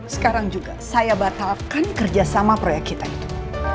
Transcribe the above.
sekarang juga saya batalkan kerjasama proyek kita itu